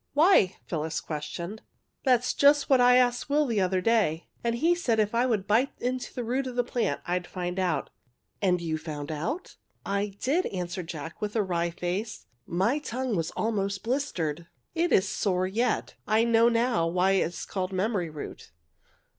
<« Why? " Phyllis questioned. " That's just what I asked Will the other ABOUT A LITTLE PREACHER 63 day, and he said if I would bite into the root of the plant I'd find out/' '^ And you found out^ "I did! " answered Jack, with a wry face. " My tongue was almost blistered. It is sore yet. I know now why it is called ' memory root.'